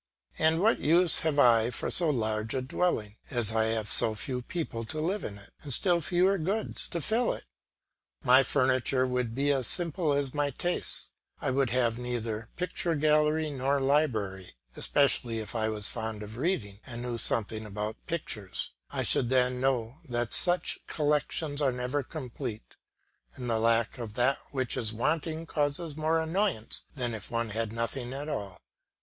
And what use have I for so large a dwelling, as I have so few people to live in it, and still fewer goods to fill it? My furniture would be as simple as my tastes; I would have neither picture gallery nor library, especially if I was fond of reading and knew something about pictures. I should then know that such collections are never complete, and that the lack of that which is wanting causes more annoyance than if one had nothing at all.